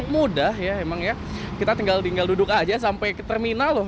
mudah ya emang ya kita tinggal duduk aja sampai ke terminal loh